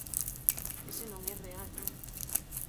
Ese non é real, non.